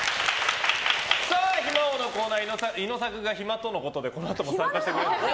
暇王のコーナーイノサクが暇とのことでこのあとも参加してくれます。